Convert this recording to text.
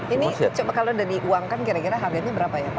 ini coba kalau udah diuangkan kira kira harganya berapa ya pak